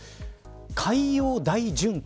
海洋大循環。